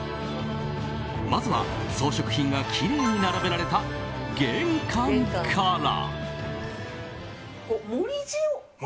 まずは装飾品がきれいに並べられた玄関から。